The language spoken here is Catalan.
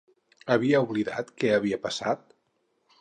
Havia oblidat què havia passat?